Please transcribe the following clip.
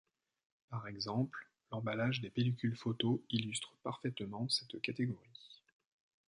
Par exemple, l’emballage des pellicules photo illustre parfaitement cette catégorie.